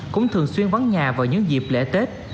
cũng thường xuyên vắng nhà vào những dịp lễ tết